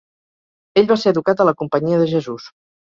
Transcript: Ell va ser educat a la Companyia de Jesús.